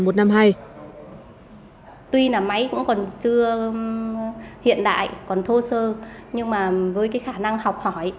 tuy là máy cũng còn chưa hiện đại còn thô sơ nhưng mà với cái khả năng học hỏi